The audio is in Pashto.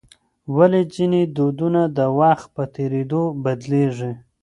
ولې ځینې دودونه د وخت په تېرېدو بدلیږي؟